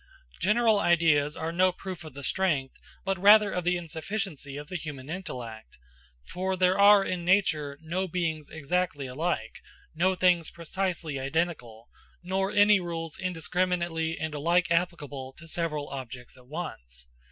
General ideas are no proof of the strength, but rather of the insufficiency of the human intellect; for there are in nature no beings exactly alike, no things precisely identical, nor any rules indiscriminately and alike applicable to several objects at once.